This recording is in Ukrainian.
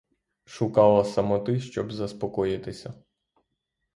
Шукала самоти, щоб заспокоїтися.